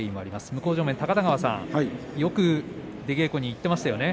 向正面の高田川さんよく出稽古に行っていましたね。